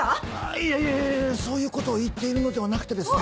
いえいえそういうことを言っているのではなくてですね。